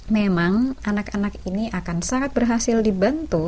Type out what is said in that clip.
memang anak anak ini akan sangat berhasil dibantu